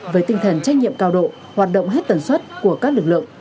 với tinh thần trách nhiệm cao độ hoạt động hết tần suất của các lực lượng